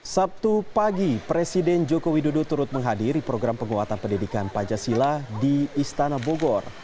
sabtu pagi presiden joko widodo turut menghadiri program penguatan pendidikan pancasila di istana bogor